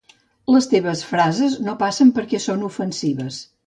Les teves frases no passen perquè són ofensives.